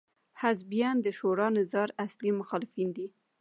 حزبیان د شورا نظار اصلي مخالفین دي.